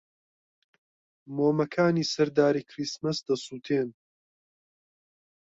مۆمەکانی سەر داری کریسمس دەسووتێن.